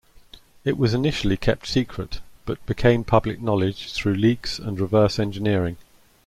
It was initially kept secret, but became public knowledge through leaks and reverse engineering.